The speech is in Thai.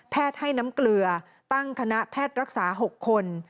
ให้น้ำเกลือตั้งคณะแพทย์รักษา๖คน